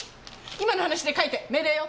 今の話で書いて命令よ。